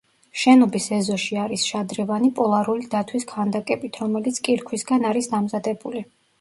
შენობის ეზოში არის შადრევანი პოლარული დათვის ქანდაკებით, რომელიც კირქვისგან არის დამზადებული.